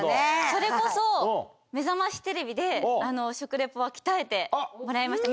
それこそ、めざましテレビで食レポは鍛えてもらいました。